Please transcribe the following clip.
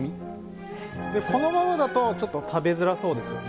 このままだとちょっと食べづらそうですよね。